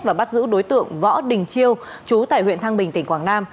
và bắt giữ đối tượng võ đình chiêu chú tại huyện thăng bình tỉnh quảng nam